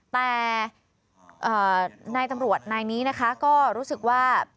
แต่นายตำรวจนายนี้นะคะก็รู้สึกว่า